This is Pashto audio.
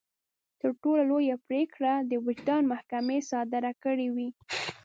تر ټولو لويه پرېکړه د وجدان محکمې صادره کړې وي.